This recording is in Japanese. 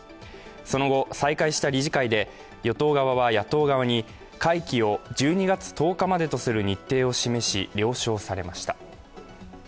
その後、再開した理事会で与党側は野党側に会期を１２月１０日までとする日程を示し了承されました。